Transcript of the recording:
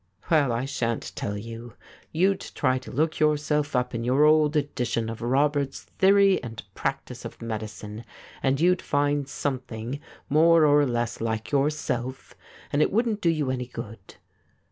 ' Well, I shan't tell you. You'd try to look yourself up in your old edition of Roberts's " Theory and Practice of Medicine," and you'd find something more or less like yourself, and it wouldn't do you any good.'